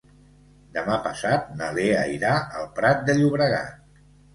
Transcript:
Demà passat na Lea irà al Prat de Llobregat.